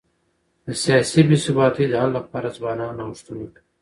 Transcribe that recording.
د سیاسي بي ثباتی د حل لپاره ځوانان نوښتونه کوي.